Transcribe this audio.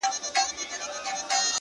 خدايه ښه نـری بـاران پرې وكړې نن,